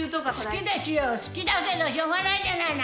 好きですよ、好きだけど、しょうがないじゃないの。